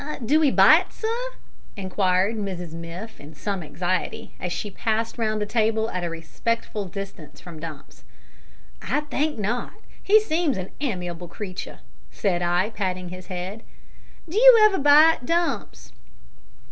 "Do 'e bite, sir?" inquired Mrs Miff, in some anxiety, as she passed round the table at a respectful distance from Dumps. "I think not. He seems an amiable creature," said I, patting his head. "Do you ever bite, Dumps?"